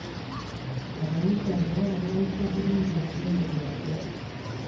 Abayizi abawala baayise bulungi emisomo gyabwe.